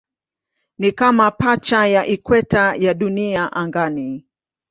Ni kama pacha ya ikweta ya Dunia angani.